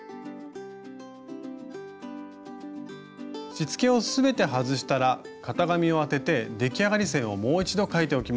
しつけを全て外したら型紙を当てて出来上がり線をもう一度描いておきましょう。